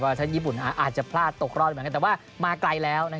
ท่านญี่ปุ่นอาจจะพลาดตกรอบอยู่เหมือนกันแต่ว่ามาไกลแล้ว